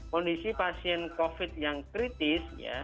kondisi pasien covid sembilan belas yang kritis ya